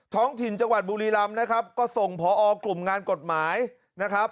ท้องถิ่นจังหวัดบุรีรำนะครับก็ส่งพอกลุ่มงานกฎหมายนะครับ